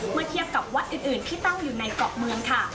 เมื่อเทียบกับวัดอื่นที่ตั้งอยู่ในเกาะเมืองค่ะ